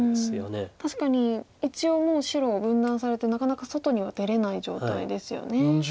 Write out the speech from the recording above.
確かに一応もう白分断されてなかなか外には出れない状態ですよね。